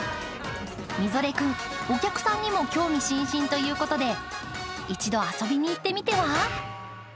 ミゾレ君、お客さんにも興味津々ということで一度、遊びに行ってみては？